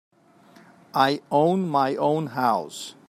I own my own house.